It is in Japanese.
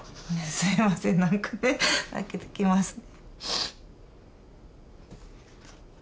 すいませんなんかね泣けてきますね。